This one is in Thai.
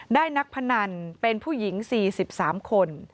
นักพนันเป็นผู้หญิง๔๓คน